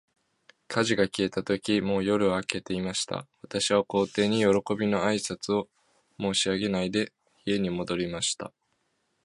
火事が消えたとき、もう夜は明けていました。私は皇帝に、よろこびの挨拶も申し上げないで、家に戻りました。